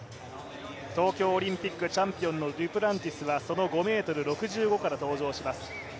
東京オリンピックチャンピオンのデュプランティスはその５ｍ６５から登場します。